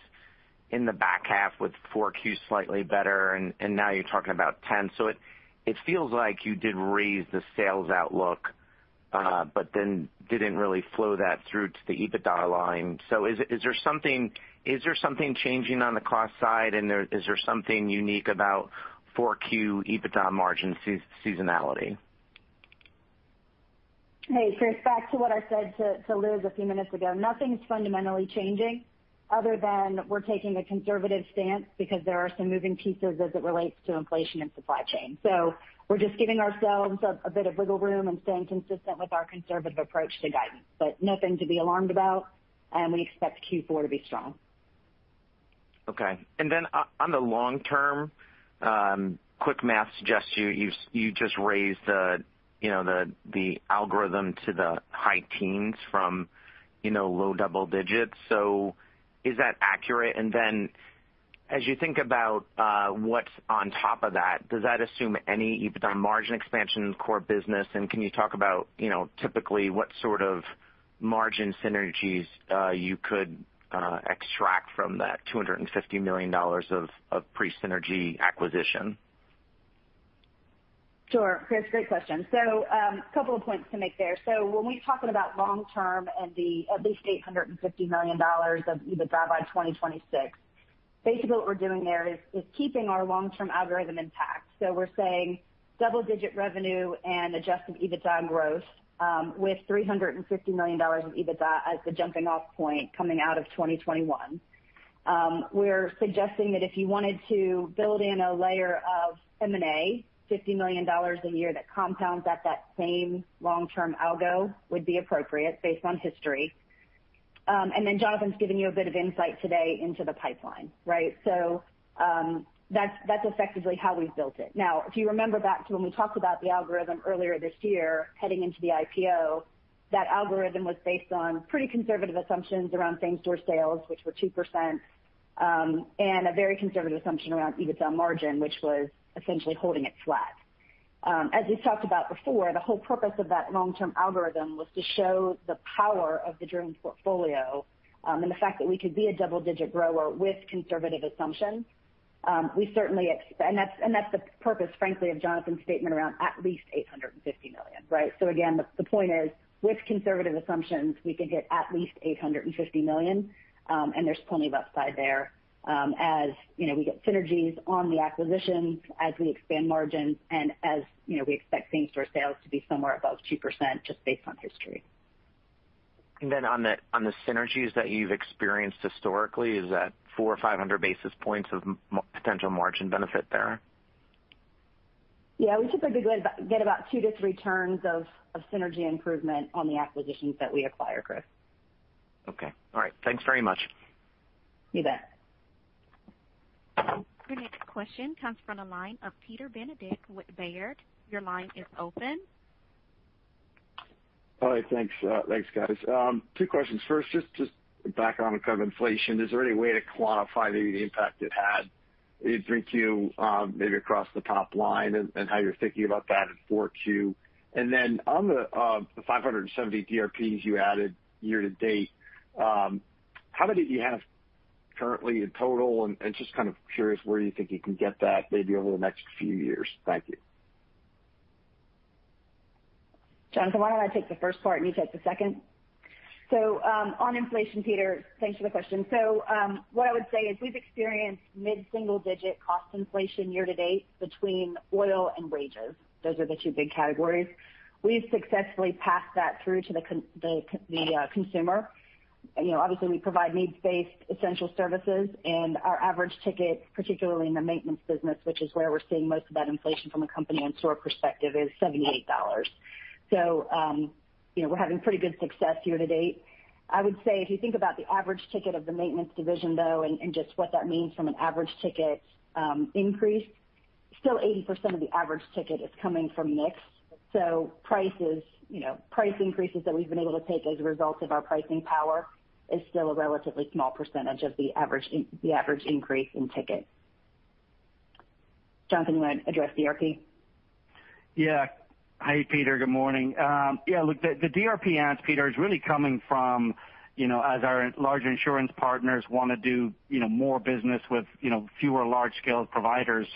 in the back half with Q4 slightly better, and now you're talking about 10. It feels like you did raise the sales outlook, but then didn't really flow that through to the EBITDA line. Is there something changing on the cost side, and is there something unique about Q4 EBITDA margin seasonality? Hey, Chris. Back to what I said to Liz a few minutes ago. Nothing's fundamentally changing other than we're taking a conservative stance because there are some moving pieces as it relates to inflation and supply chain. We're just giving ourselves a bit of wiggle room and staying consistent with our conservative approach to guidance. Nothing to be alarmed about, and we expect Q4 to be strong. Okay. On the long term, quick math suggests you just raised the algorithm to the high teens from low double digits. Is that accurate? As you think about what's on top of that, does that assume any EBITDA margin expansion in the core business? Can you talk about typically what sort of margin synergies you could extract from that $250 million of pre-synergy acquisition? Sure. Chris, great question. A couple of points to make there. When we're talking about long term and the at least $850 million of EBITDA by 2026, basically what we're doing there is keeping our long-term algorithm intact. We're saying double-digit revenue and adjusted EBITDA growth, with $350 million of EBITDA as the jumping off point coming out of 2021. We're suggesting that if you wanted to build in a layer of M&A, $50 million a year, that compounds at that same long-term algo would be appropriate based on history. And then Jonathan's given you a bit of insight today into the pipeline, right? That's effectively how we've built it. Now, if you remember back to when we talked about the algorithm earlier this year, heading into the IPO, that algorithm was based on pretty conservative assumptions around same-store sales, which were 2%, and a very conservative assumption around EBITDA margin, which was essentially holding it flat. As we've talked about before, the whole purpose of that long-term algorithm was to show the power of the Driven portfolio, and the fact that we could be a double-digit grower with conservative assumptions. And that's the purpose, frankly, of Jonathan's statement around at least $850 million, right? Again, the point is, with conservative assumptions, we can hit at least $850 million, and there's plenty of upside there, as, you know, we get synergies on the acquisitions as we expand margins and as, you know, we expect same-store sales to be somewhere above 2% just based on history. On the synergies that you've experienced historically, is that 400 basis points or 500 basis points of potential margin benefit there? Yeah, we typically get about two to three turns of synergy improvement on the acquisitions that we acquire, Chris. Okay. All right. Thanks very much. You bet. Your next question comes from the line of Peter Benedict with Baird. Your line is open. Hi. Thanks. Thanks, guys. Two questions. First, just background because of inflation. Is there any way to quantify maybe the impact it had in 3Q, maybe across the top line and how you're thinking about that in 4Q? On the 570 DRPs you added year to date, how many do you have currently in total? Just kind of curious where you think you can get that maybe over the next few years. Thank you. Jonathan, why don't I take the first part and you take the second? On inflation, Peter, thanks for the question. What I would say is we've experienced mid-single digit cost inflation year to date between oil and wages. Those are the two big categories. We've successfully passed that through to the consumer. You know, obviously we provide needs-based essential services, and our average ticket, particularly in the maintenance business, which is where we're seeing most of that inflation from a company and store perspective, is $78. You know, we're having pretty good success year to date. I would say if you think about the average ticket of the maintenance division, though, and just what that means from an average ticket increase. Still 80% of the average ticket is coming from mix. Prices, you know, price increases that we've been able to take as a result of our pricing power is still a relatively small percentage of the average increase in ticket. Jonathan, you wanna address DRP? Yeah. Hey, Peter, good morning. Yeah, look, the DRP answer, Peter, is really coming from, you know, as our large insurance partners wanna do, you know, more business with, you know, fewer large-scale providers.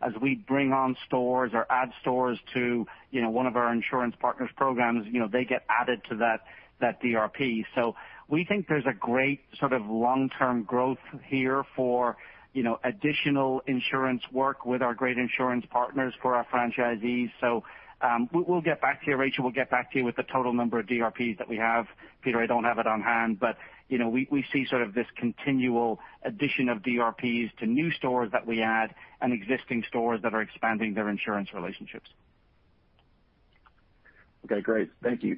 As we bring on stores or add stores to, you know, one of our insurance partners' programs, you know, they get added to that DRP. We think there's a great sort of long-term growth here for, you know, additional insurance work with our great insurance partners for our franchisees. We'll get back to you. Rachel, we'll get back to you with the total number of DRPs that we have. Peter, I don't have it on hand, but, you know, we see sort of this continual addition of DRPs to new stores that we add and existing stores that are expanding their insurance relationships. Okay, great. Thank you.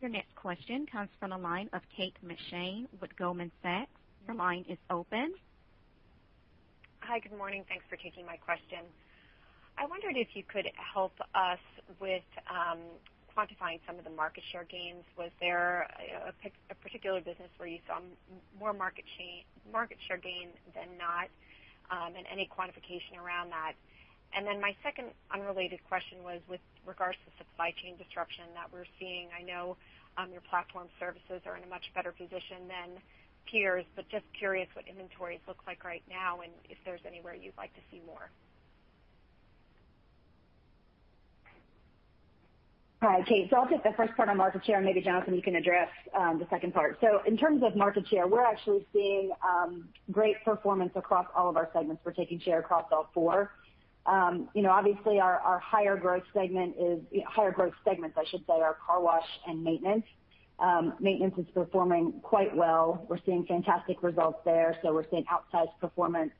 Your next question comes from the line of Kate McShane with Goldman Sachs. Your line is open. Hi. Good morning. Thanks for taking my question. I wondered if you could help us with quantifying some of the market share gains. Was there a particular business where you saw more market share gain than not, and any quantification around that? My second unrelated question was with regards to supply chain disruption that we're seeing. I know your platform services are in a much better position than peers, but just curious what inventories look like right now and if there's anywhere you'd like to see more. Hi, Kate. I'll take the first part on market share, and maybe, Jonathan, you can address the second part. In terms of market share, we're actually seeing great performance across all of our segments. We're taking share across all four. You know, obviously our higher growth segments, I should say, are car wash and maintenance. Maintenance is performing quite well. We're seeing fantastic results there. We're seeing outsized performance.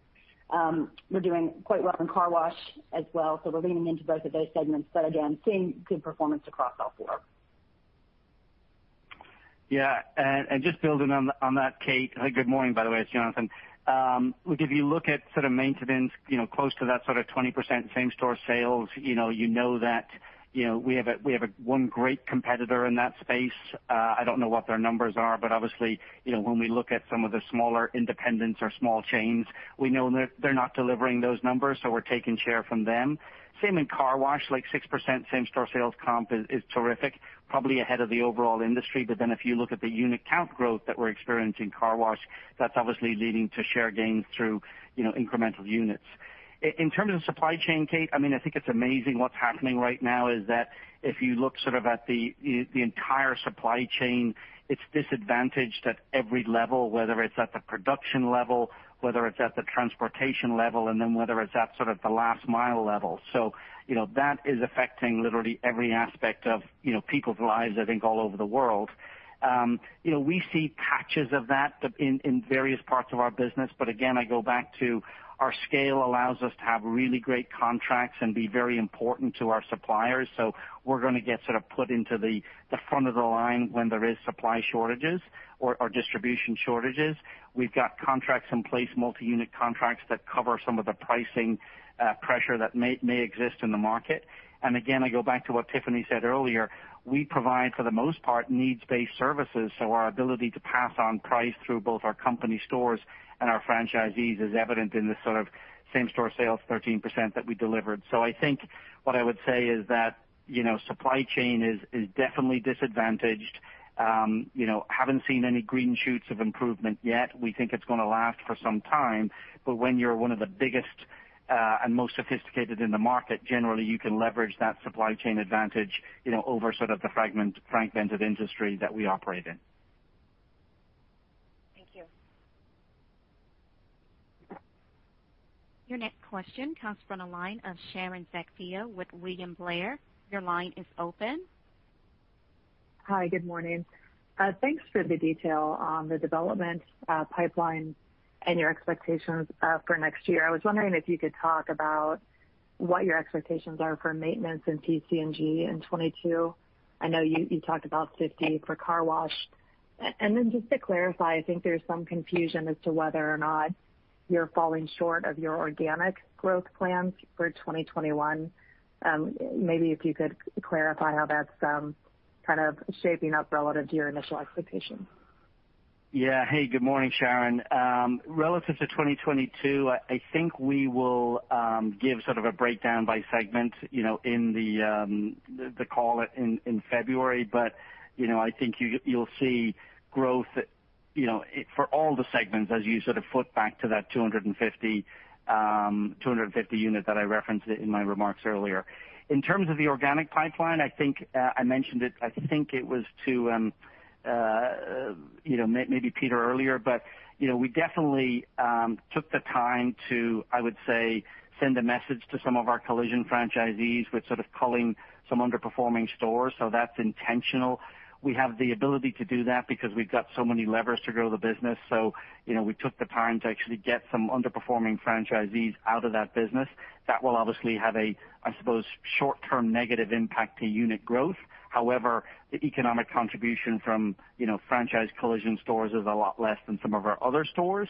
We're doing quite well in car wash as well. We're leaning into both of those segments, but again, seeing good performance across all four. Just building on that, Kate. Good morning, by the way. It's Jonathan. Look, if you look at sort of maintenance close to that sort of 20% same store sales, you know that we have one great competitor in that space. I don't know what their numbers are, but obviously when we look at some of the smaller independents or small chains, we know they're not delivering those numbers, so we're taking share from them. Same in car wash, like 6% same store sales comp is terrific, probably ahead of the overall industry. But then if you look at the unit count growth that we're experiencing in car wash, that's obviously leading to share gains through incremental units. In terms of supply chain, Kate, I mean, I think it's amazing what's happening right now is that if you look sort of at the the entire supply chain, it's disadvantaged at every level, whether it's at the production level, whether it's at the transportation level, and then whether it's at sort of the last mile level. You know, that is affecting literally every aspect of people's lives, I think all over the world. You know, we see patches of that in various parts of our business. But again, I go back to our scale allows us to have really great contracts and be very important to our suppliers. We're gonna get sort of put into the the front of the line when there is supply shortages or distribution shortages. We've got contracts in place, multi-unit contracts that cover some of the pricing pressure that may exist in the market. Again, I go back to what Tiffany said earlier. We provide, for the most part, needs-based services, so our ability to pass on price through both our company stores and our franchisees is evident in the sort of same store sales, 13% that we delivered. I think what I would say is that, you know, supply chain is definitely disadvantaged. You know, haven't seen any green shoots of improvement yet. We think it's gonna last for some time. When you're one of the biggest and most sophisticated in the market, generally you can leverage that supply chain advantage, you know, over sort of the fragmented industry that we operate in. Thank you. Your next question comes from the line of Sharon Zackfia with William Blair. Your line is open. Hi, good morning. Thanks for the detail on the development pipeline and your expectations for next year. I was wondering if you could talk about what your expectations are for maintenance in PC&G in 2022. I know you talked about 50 for car wash. And then just to clarify, I think there's some confusion as to whether or not you're falling short of your organic growth plans for 2021. Maybe if you could clarify how that's kind of shaping up relative to your initial expectations. Yeah. Hey, good morning, Sharon. Relative to 2022, I think we will give sort of a breakdown by segment, you know, in the call in February. You know, I think you'll see growth. You know, for all the segments as you sort of add back to that 250 unit that I referenced it in my remarks earlier. In terms of the organic pipeline, I think I mentioned it. I think it was to, you know, maybe Peter earlier, but you know, we definitely took the time to, I would say, send a message to some of our collision franchisees with sort of culling some underperforming stores. That's intentional. We have the ability to do that because we've got so many levers to grow the business. You know, we took the time to actually get some underperforming franchisees out of that business. That will obviously have a, I suppose, short-term negative impact to unit growth. However, the economic contribution from, you know, franchise collision stores is a lot less than some of our other stores.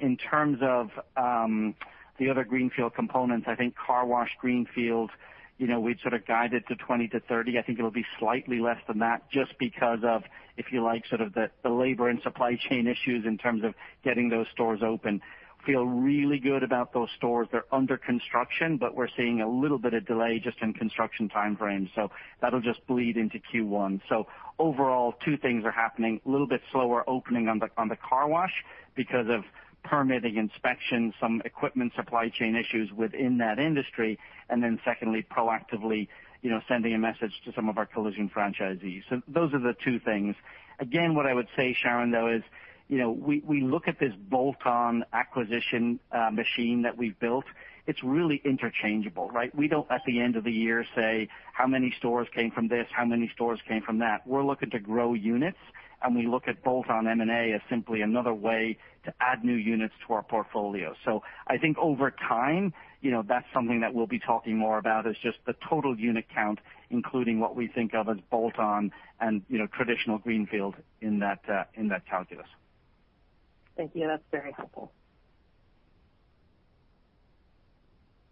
In terms of the other greenfield components, I think car wash greenfield, you know, we'd sort of guided to 20-30. I think it'll be slightly less than that just because of, if you like, sort of the labor and supply chain issues in terms of getting those stores open. Feel really good about those stores. They're under construction, but we're seeing a little bit of delay just in construction timeframes. That'll just bleed into Q1. Overall, two things are happening. A little bit slower opening on the car wash because of permitting inspections, some equipment supply chain issues within that industry. Secondly, proactively, you know, sending a message to some of our collision franchisees. Those are the two things. Again, what I would say, Sharon, though, is, you know, we look at this bolt-on acquisition machine that we've built. It's really interchangeable, right? We don't, at the end of the year, say how many stores came from this, how many stores came from that. We're looking to grow units, and we look at bolt-on M&A as simply another way to add new units to our portfolio. I think over time, you know, that's something that we'll be talking more about is just the total unit count, including what we think of as bolt-on and, you know, traditional greenfield in that calculus. Thank you. That's very helpful.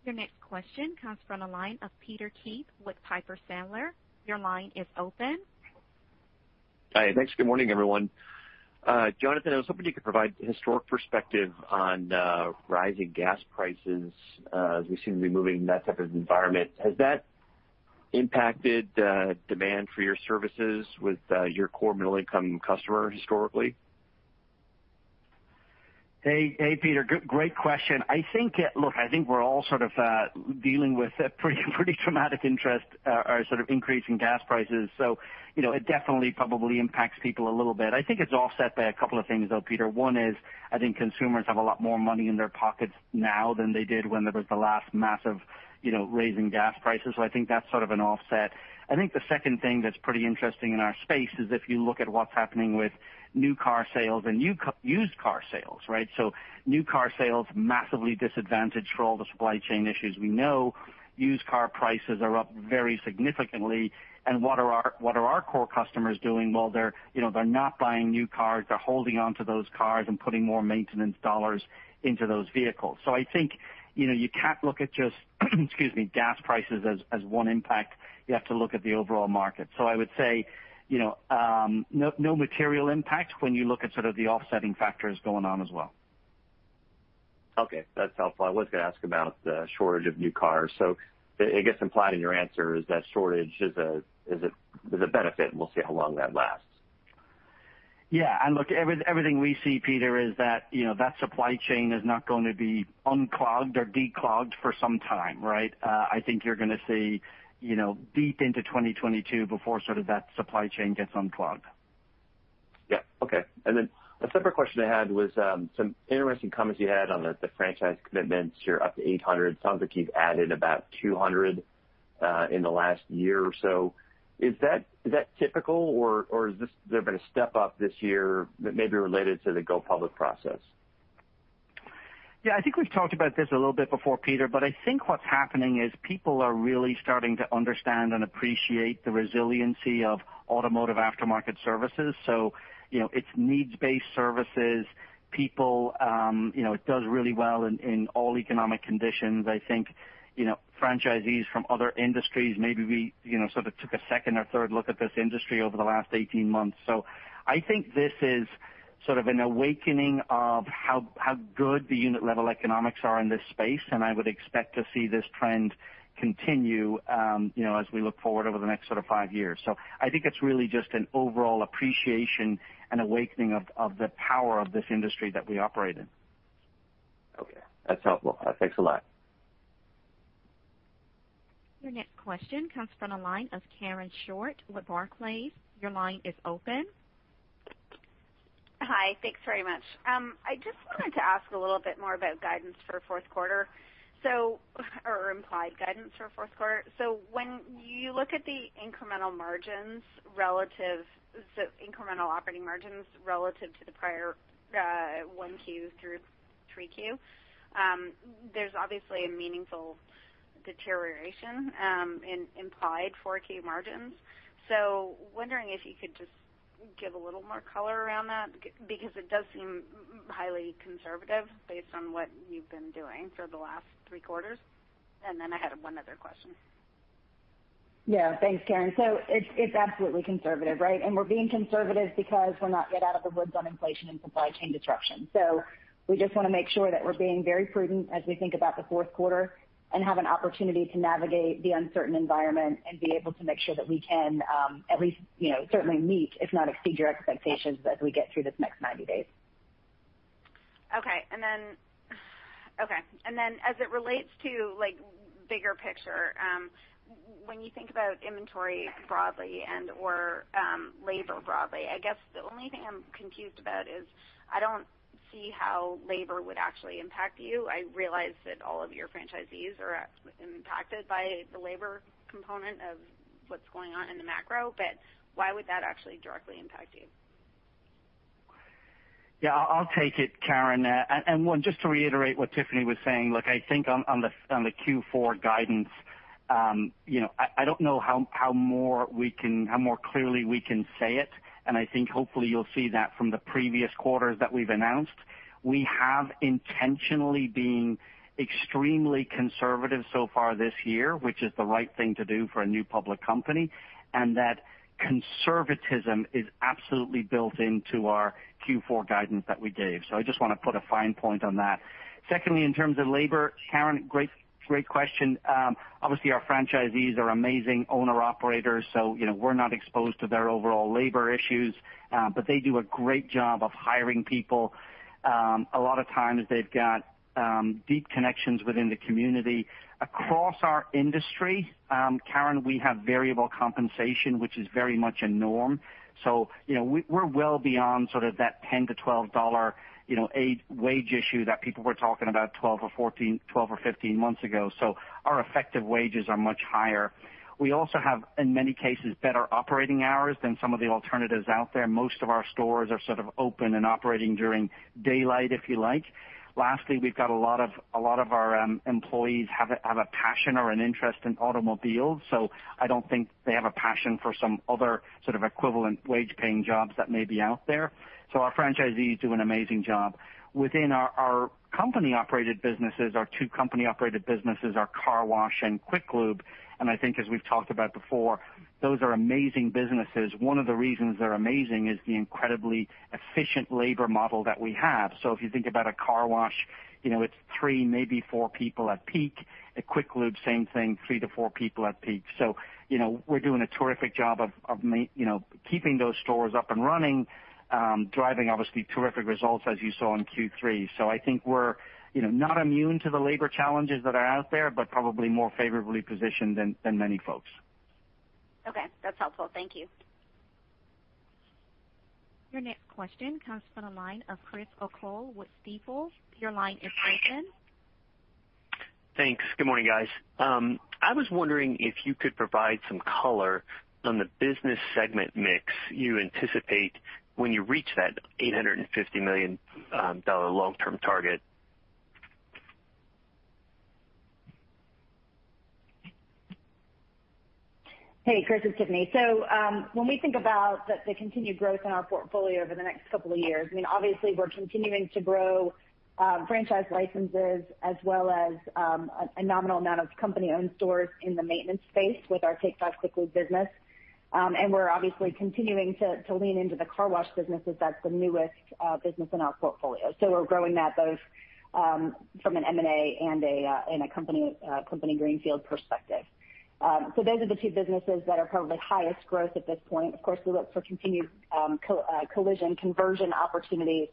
Your next question comes from the line of Peter Keith with Piper Sandler. Your line is open. Hi. Thanks. Good morning, everyone. Jonathan, I was hoping you could provide historical perspective on rising gas prices as we seem to be moving in that type of environment. Has that impacted demand for your services with your core middle income customer historically? Hey, Peter. Great question. I think, look, I think we're all sort of dealing with a pretty dramatic increase in gas prices. You know, it definitely probably impacts people a little bit. I think it's offset by a couple of things, though, Peter. One is, I think consumers have a lot more money in their pockets now than they did when there was the last massive, you know, rise in gas prices. I think that's sort of an offset. I think the second thing that's pretty interesting in our space is if you look at what's happening with new car sales and used car sales, right? New car sales massively disadvantaged for all the supply chain issues we know. Used car prices are up very significantly. What are our core customers doing? Well, they're, you know, not buying new cars. They're holding onto those cars and putting more maintenance dollars into those vehicles. I think, you know, you can't look at just, excuse me, gas prices as one impact. You have to look at the overall market. I would say, you know, no material impact when you look at sort of the offsetting factors going on as well. Okay. That's helpful. I was gonna ask about the shortage of new cars. It gets implied in your answer that the shortage is a benefit, and we'll see how long that lasts. Yeah. Look, everything we see, Peter, is that, you know, that supply chain is not going to be unclogged or declogged for some time, right? I think you're gonna see, you know, deep into 2022 before sort of that supply chain gets unclogged. Yeah. Okay. A separate question I had was some interesting comments you had on the franchise commitments. You're up to 800. It sounds like you've added about 200 in the last year or so. Is that typical or has there been a step up this year that may be related to the go public process? Yeah, I think we've talked about this a little bit before, Peter, but I think what's happening is people are really starting to understand and appreciate the resiliency of automotive aftermarket services. You know, it's needs-based services. People, you know, it does really well in all economic conditions. I think, you know, franchisees from other industries, maybe we, you know, sort of took a second or third look at this industry over the last 18 months. I think this is sort of an awakening of how good the unit level economics are in this space, and I would expect to see this trend continue, you know, as we look forward over the next sort of five years. I think it's really just an overall appreciation and awakening of the power of this industry that we operate in. Okay. That's helpful. Thanks a lot. Your next question comes from the line of Karen Short with Barclays. Your line is open. Hi. Thanks very much. I just wanted to ask a little bit more about guidance for fourth quarter or implied guidance for fourth quarter. When you look at the incremental operating margins relative to the prior, 1Q through 3Q, there's obviously a meaningful deterioration in implied 4Q margins. Wondering if you could just give a little more color around that because it does seem highly conservative based on what you've been doing for the last three quarters. I had one other question. Yeah. Thanks, Karen. It's absolutely conservative, right? We're being conservative because we're not yet out of the woods on inflation and supply chain disruption. We just wanna make sure that we're being very prudent as we think about the fourth quarter and have an opportunity to navigate the uncertain environment and be able to make sure that we can at least, you know, certainly meet, if not exceed your expectations as we get through this next 90 days. Okay, as it relates to, like, bigger picture, when you think about inventory broadly and/or labor broadly, I guess the only thing I'm confused about is I don't see how labor would actually impact you. I realize that all of your franchisees are impacted by the labor component of what's going on in the macro, but why would that actually directly impact you? Yeah, I'll take it, Karen. One, just to reiterate what Tiffany was saying. Look, I think on the Q4 guidance, you know, I don't know how more clearly we can say it. I think hopefully you'll see that from the previous quarters that we've announced. We have intentionally been extremely conservative so far this year, which is the right thing to do for a new public company. That conservatism is absolutely built into our Q4 guidance that we gave. I just want to put a fine point on that. Secondly, in terms of labor, Karen, great question. Obviously, our franchisees are amazing owner-operators, so you know, we're not exposed to their overall labor issues, but they do a great job of hiring people. A lot of times they've got deep connections within the community. Across our industry, Karen, we have variable compensation, which is very much a norm. You know, we're well beyond sort of that $10-$12, you know, a wage issue that people were talking about 12 or 15 months ago. Our effective wages are much higher. We also have, in many cases, better operating hours than some of the alternatives out there. Most of our stores are sort of open and operating during daylight, if you like. Lastly, we've got a lot of our employees have a passion or an interest in automobiles, so I don't think they have a passion for some other sort of equivalent wage-paying jobs that may be out there. Our franchisees do an amazing job. Within our company-operated businesses, our two company-operated businesses are car wash and Quick Lube. I think as we've talked about before, those are amazing businesses. One of the reasons they're amazing is the incredibly efficient labor model that we have. If you think about a car wash, you know, it's three, maybe four people at peak. At Quick Lube, same thing, three to four people at peak. You know, we're doing a terrific job of you know, keeping those stores up and running, driving obviously terrific results as you saw in Q3. I think we're, you know, not immune to the labor challenges that are out there, but probably more favorably positioned than many folks. Okay, that's helpful. Thank you. Your next question comes from the line of Chris O'Cull with Stifel. Your line is open. Thanks. Good morning, guys. I was wondering if you could provide some color on the business segment mix you anticipate when you reach that $850 million long-term target. Hey, Chris, it's Tiffany. When we think about the continued growth in our portfolio over the next couple of years, I mean, obviously we're continuing to grow franchise licenses as well as a nominal amount of company-owned stores in the maintenance space with our Take 5 Oil Change business. We're obviously continuing to lean into the car wash businesses. That's the newest business in our portfolio. We're growing that both from an M&A and a company greenfield perspective. Those are the two businesses that are probably highest growth at this point. Of course, we look for continued collision conversion opportunities.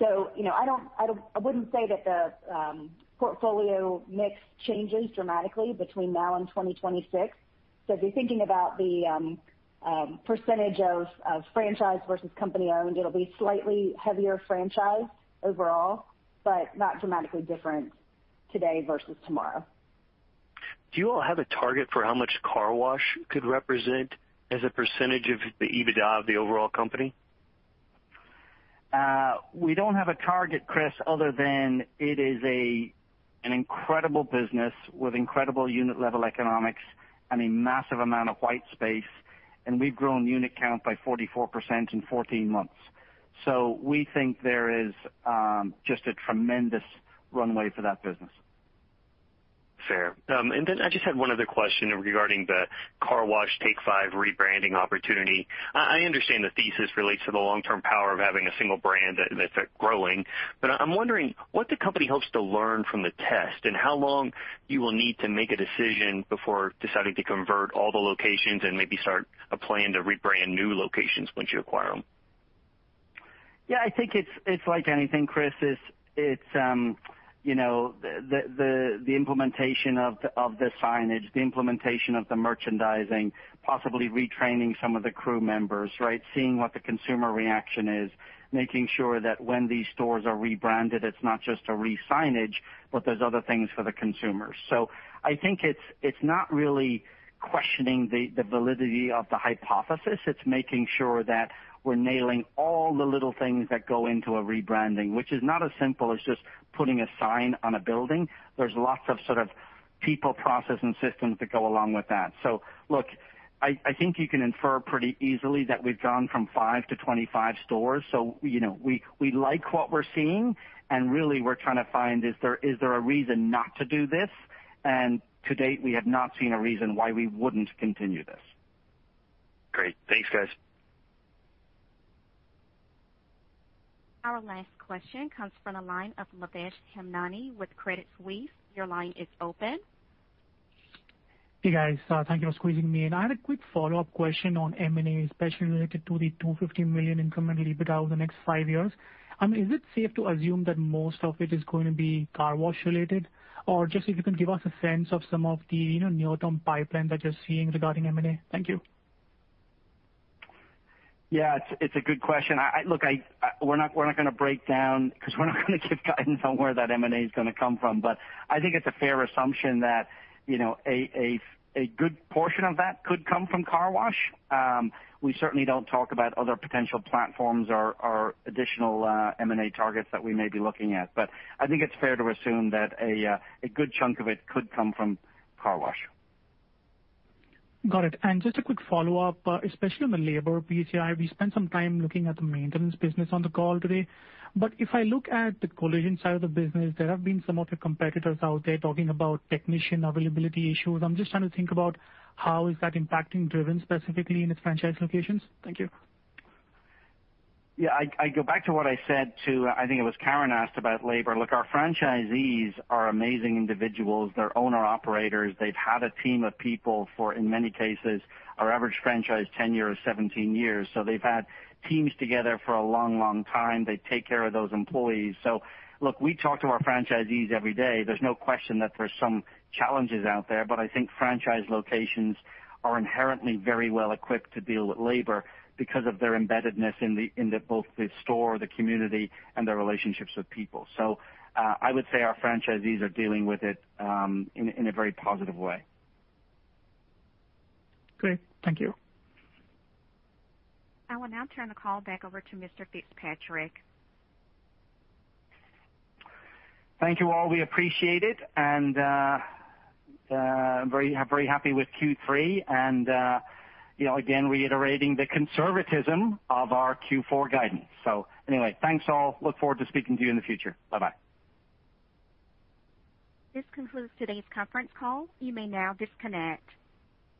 You know, I wouldn't say that the portfolio mix changes dramatically between now and 2026. If you're thinking about the percentage of franchise versus company-owned, it'll be slightly heavier franchise overall, but not dramatically different today versus tomorrow. Do you all have a target for how much car wash could represent as a percentage of the EBITDA of the overall company? We don't have a target, Chris, other than it is an incredible business with incredible unit level economics and a massive amount of white space, and we've grown unit count by 44% in 14 months. We think there is just a tremendous runway for that business. Fair. I just had one other question regarding the car wash Take 5 rebranding opportunity. I understand the thesis relates to the long-term power of having a single brand that's growing, but I'm wondering what the company hopes to learn from the test and how long you will need to make a decision before deciding to convert all the locations and maybe start a plan to rebrand new locations once you acquire them. Yeah, I think it's like anything, Chris. It's you know, the implementation of the signage, the implementation of the merchandising, possibly retraining some of the crew members, right? Seeing what the consumer reaction is, making sure that when these stores are rebranded, it's not just a re-signage, but there's other things for the consumers. I think it's not really questioning the validity of the hypothesis. It's making sure that we're nailing all the little things that go into a rebranding, which is not as simple as just putting a sign on a building. There's lots of sort of people, process, and systems that go along with that. Look, I think you can infer pretty easily that we've gone from 5-25 stores. You know, we like what we're seeing and really we're trying to find is there a reason not to do this? To date, we have not seen a reason why we wouldn't continue this. Great. Thanks, guys. Our last question comes from the line of Lavesh Hemnani with Credit Suisse. Your line is open. Hey guys, thank you for squeezing me in. I had a quick follow-up question on M&A, especially related to the $250 million incremental EBITDA over the next five years. Is it safe to assume that most of it is going to be car wash related? Or just if you can give us a sense of some of the, you know, near-term pipeline that you're seeing regarding M&A. Thank you. Yeah, it's a good question. Look, we're not gonna break down 'cause we're not gonna give guidance on where that M&A is gonna come from. I think it's a fair assumption that, you know, a good portion of that could come from car wash. We certainly don't talk about other potential platforms or additional M&A targets that we may be looking at. I think it's fair to assume that a good chunk of it could come from car wash. Got it. Just a quick follow-up, especially on the labor PCI. We spent some time looking at the maintenance business on the call today. If I look at the collision side of the business, there have been some of your competitors out there talking about technician availability issues. I'm just trying to think about how is that impacting Driven specifically in its franchise locations. Thank you. Yeah, I go back to what I said to, I think it was Karen asked about labor. Look, our franchisees are amazing individuals. They're owner-operators. They've had a team of people for, in many cases, our average franchise tenure is 17 years. They've had teams together for a long, long time. They take care of those employees. Look, we talk to our franchisees every day. There's no question that there's some challenges out there, but I think franchise locations are inherently very well equipped to deal with labor because of their embeddedness in the both the store, the community, and their relationships with people. I would say our franchisees are dealing with it in a very positive way. Great. Thank you. I will now turn the call back over to Mr. Fitzpatrick. Thank you, all. We appreciate it. very happy with Q3 and you know, again, reiterating the conservatism of our Q4 guidance. anyway, thanks all, look forward to speaking to you in the future. Bye-bye. This concludes today's conference call. You may now disconnect.